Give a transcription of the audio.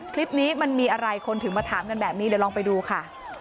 คลิปนี้มันมีอะไรคนถึงมาถามกันแบบนี้เดี๋ยวลองไปดูค่ะ